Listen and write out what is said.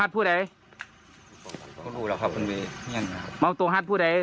ไอ้เทียมของแต่นี้ก็ครอบทุกคน